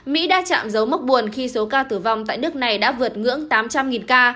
mỹ đã chạm dấu mốc buồn khi số ca tử vong tại nước này đã vượt ngưỡng tám trăm linh ca